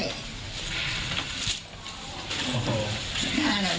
ขอบแมสดูหน้าหน่อย